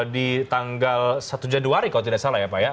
di tanggal satu januari kalau tidak salah ya pak ya